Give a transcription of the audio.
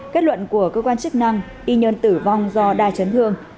kết luận của cơ quan chức năng y nhân tử vong do đa chấn thương